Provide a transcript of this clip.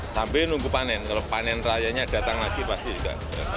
sambil nunggu panen kalau panen rayanya datang lagi pasti juga